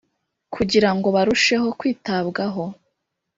Kugira ngo barusheho kwitabwaho